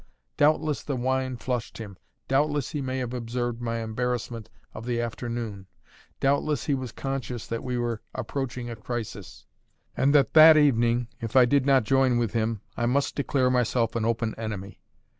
Doubtless the wine flushed him; doubtless he may have observed my embarrassment of the afternoon; doubtless he was conscious that we were approaching a crisis, and that that evening, if I did not join with him, I must declare myself an open enemy.